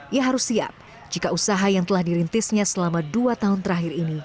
ia harus siap jika usaha yang telah dirintisnya selama dua tahun terakhir ini